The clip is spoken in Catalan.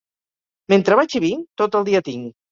Mentre vaig i vinc, tot el dia tinc.